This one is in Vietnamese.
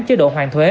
chế độ hoàn thuế